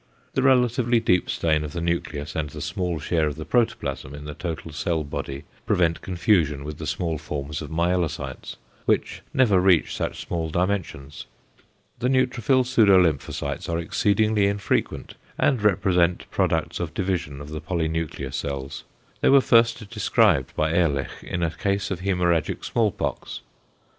The relatively deep stain of the nucleus and the small share of the protoplasm in the total cell body prevent confusion with the small forms of myelocytes, which never reach such small dimensions. The neutrophil pseudolymphocytes are exceedingly infrequent, and represent products of division of the polynuclear cells; they were first described by Ehrlich in a case of hemorrhagic small pox.